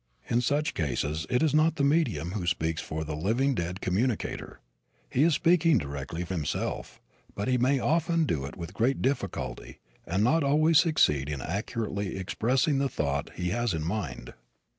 In such cases it is not the medium who speaks for the living dead communicator. He is speaking directly himself, but he may often do it with great difficulty and not always succeed in accurately expressing the thought he has in mind.